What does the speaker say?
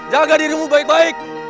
jaga dirimu baik baik